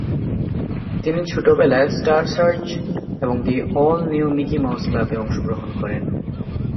তিনি ছোটবেলায় Star Search এবং the all new Mickey Mouse ক্লাবে অংশগ্রহণ করেন।